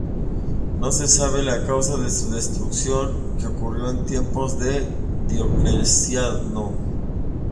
No se sabe la causa de su destrucción, que ocurrió en tiempos de Diocleciano.